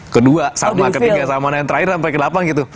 kedua sama ketiga sama sama yang terakhir sampai ke delapan gitu